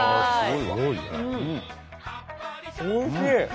おいしい！